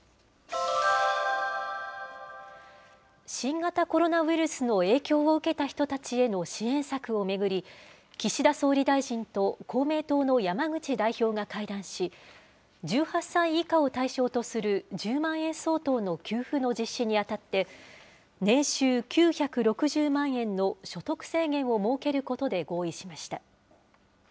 新型コロナウイルスの影響を受けた人たちへの支援策を巡り、岸田総理大臣と公明党の山口代表が会談し、１８歳以下を対象とする、１０万円相当の給付の実施にあたって、年収９６０万円の所得制限を設けることで合意しました。